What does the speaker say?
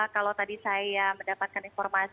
kalau tadi saya mendapatkan informasi